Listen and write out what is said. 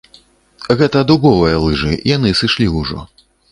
Гэта дубовыя лыжы, яны сышлі ўжо.